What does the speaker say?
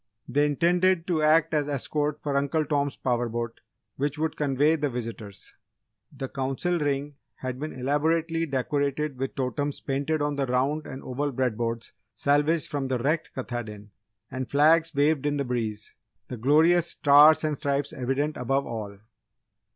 They intended to act as escort for Uncle Tom's power boat which would convey the visitors. The Council Ring had been elaborately decorated with totems painted on the round and oval bread boards salvaged from the wrecked Katahdin, and flags waved in the breeze the glorious Stars and Stripes evident above all.